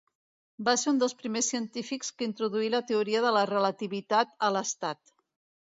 Va ser un dels primers científics que introduí la Teoria de la Relativitat a l'Estat.